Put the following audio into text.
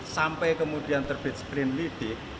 sampai kemudian terbit sprenidik